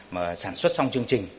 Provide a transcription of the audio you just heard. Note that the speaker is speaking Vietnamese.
mà sản xuất xong chương trình